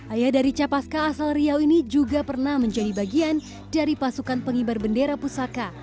ayah dari capaska asal riau ini juga pernah menjadi bagian dari pasukan pengibar bendera pusaka